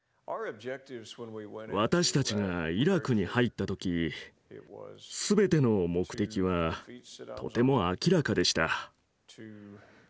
私たちがイラクに入った時全ての目的はとても明らかでした。